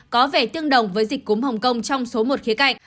có vẻ tương đồng với dịch cúm hồng kông trong số một khía cạnh